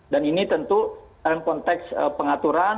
dan ini tentu dalam konteks pengaturan